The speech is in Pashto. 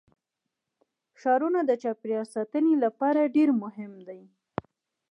ښارونه د چاپیریال ساتنې لپاره ډېر مهم دي.